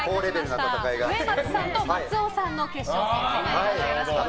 上松さんと松尾さんの決勝戦となります。